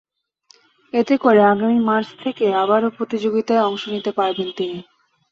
এতে করে আগামী মার্চ থেকে আবারও প্রতিযোগিতায় অংশ নিতে পারবেন তিনি।